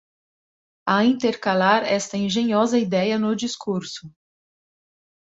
a intercalar esta engenhosa idéia no discurso